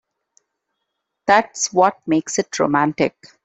That's what makes it romantic.